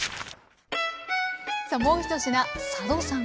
さあもう１品佐渡さん